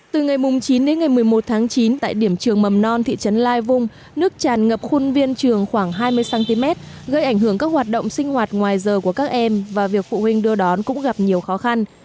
từ ngày chín đến ngày một mươi một tháng chín tại điểm trường mầm non thị trấn lai vung nước tràn ngập khuôn viên trường khoảng hai mươi cm gây ảnh hưởng các hoạt động sinh hoạt ngoài giờ của các em và việc phụ huynh đưa đón cũng gặp nhiều khó khăn